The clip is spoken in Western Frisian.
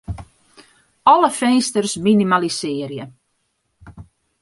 Alle finsters minimalisearje.